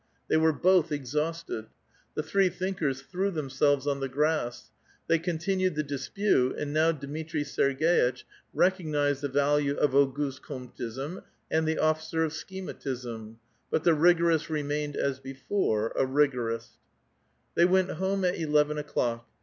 They were both exhausted. The three thinkers threw themselves on the grass. They continued the dispute, and now Dmitri Serg^itch recognized the value of ^iignste Comteism and the officer of schematism, but the J^gorist remained as before, a rigorist. They went home at eleven o'clock.